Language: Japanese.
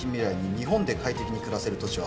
「日本で快適に暮らせる土地は」